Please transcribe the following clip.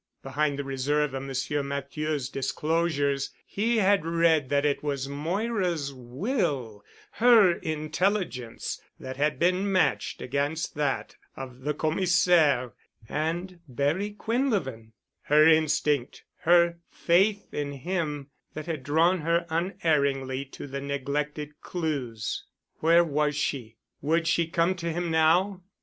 Behind the reserve of Monsieur Matthieu's disclosures he had read that it was Moira's will—her intelligence that had been matched against that of the Commissaire and Barry Quinlevin, her instinct—her faith in him that had drawn her unerringly to the neglected clues. Where was she? Would she come to him now?